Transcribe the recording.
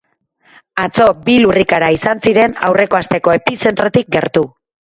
Atzo bi lurrikara izan ziren aurreko asteko epizentrotik gertu.